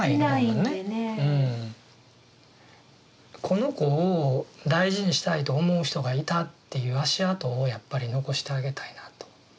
この子を大事にしたいと思う人がいたっていう足跡をやっぱり残してあげたいなと。